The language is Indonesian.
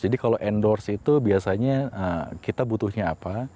jadi kalau endorse itu biasanya kita butuhnya apa